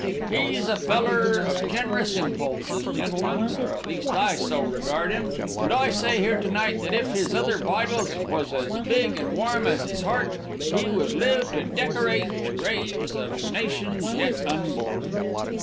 "He's a feller of generous impulses, gentlemen, or at least I so regard him, and I say here to night, that if his other vitals was as big and warm as his heart, he would live to deckorate the graves of nations yet unborn."